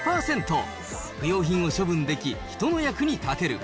不用品を処分でき、人の役に立てる。